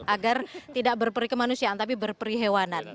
agar tidak berperih kemanusiaan tapi berperih hewanan